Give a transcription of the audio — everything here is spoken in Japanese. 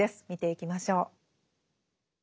見ていきましょう。